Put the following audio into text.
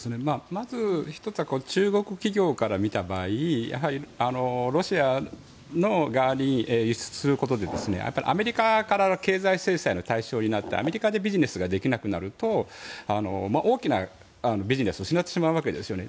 まず１つは中国企業から見た場合やはりロシアの側に輸出することでアメリカから経済制裁の対象になってアメリカでビジネスができなくなると大きなビジネスを失ってしまうわけですよね。